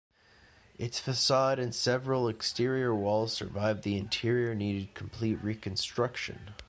Its facade and several exterior walls survived; the interior needed complete reconstruction.